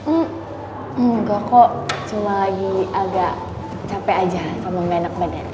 enggak kok cuma lagi agak capek aja sama gak enak badan